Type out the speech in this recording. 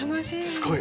すごい！